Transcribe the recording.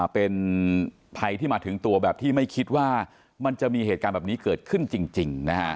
เป็นภัยที่มาถึงตัวแบบที่ไม่คิดว่ามันจะมีเหตุการณ์แบบนี้เกิดขึ้นจริง